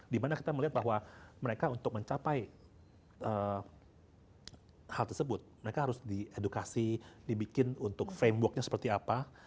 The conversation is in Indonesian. dimana kita melihat bahwa mereka untuk mencapai hal tersebut mereka harus diedukasi dibikin untuk frameworknya seperti apa